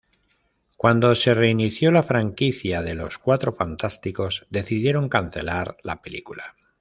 Cuando se reinició la franquicia de "Los Cuatro Fantásticos", decidieron cancelar la película.